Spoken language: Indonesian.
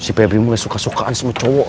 si pbb mulai suka sukaan sama cowok